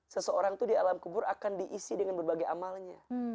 seseorang itu di alam kubur akan diisi dengan berbagai amalnya